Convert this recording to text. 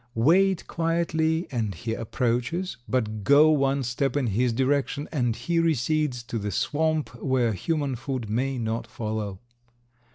Wait quietly and he approaches, but go one step in his direction and he recedes to the swamp where human foot may not follow.